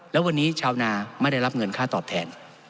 แล้ววันนี้ชาวนาไม่ได้รับเงินค่าตอบแทน